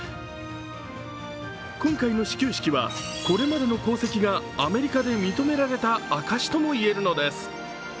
今回の始球式はこれまでの功績がアメリカで認められた証しとも言えるのです。